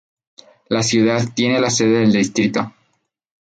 La ciudad tiene la sede del distrito.